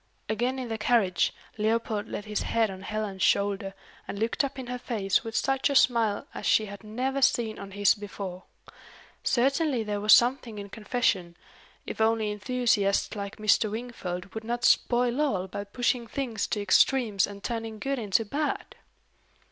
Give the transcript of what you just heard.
Again in the carriage, Leopold laid his head on Helen's shoulder, and looked up in her face with such a smile as she had never seen on his before. Certainly there was something in confession if only enthusiasts like Mr. Wingfold would not spoil all by pushing things to extremes and turning good into bad!